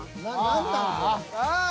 ああ。